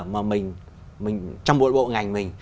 mà mình trong một bộ ngành mình